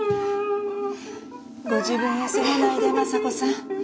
ご自分を責めないで昌子さん。